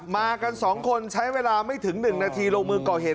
มากัน๒คนใช้เวลาไม่ถึง๑นาทีลงมือก่อเหตุ